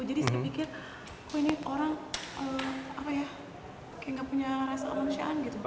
jadi saya pikir oh ini orang apa ya kayak nggak punya rasa manusiaan gitu